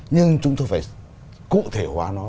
nhưng chúng tôi phải cụ thể hóa nó